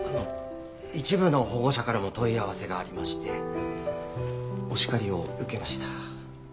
一部の保護者からも問い合わせがありましてお叱りを受けました。